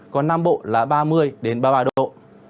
còn nam bộ là ba mươi ba mươi ba độ